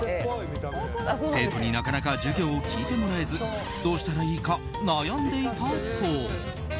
生徒になかなか授業を聞いてもらえずどうしたらいいか悩んでいたそう。